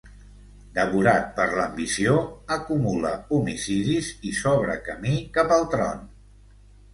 Devorat per l'ambició, acumula homicidis i s'obre camí cap al tron.